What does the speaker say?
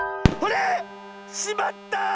あれ⁉しまった！